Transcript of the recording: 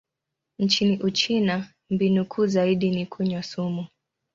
Nchini Uchina, mbinu kuu zaidi ni kunywa sumu.